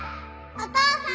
・お父さん！